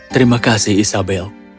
terima kasih isabel